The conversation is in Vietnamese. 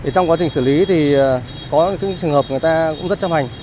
trong quá trình xử lý thì có những trường hợp người ta cũng rất chấp hành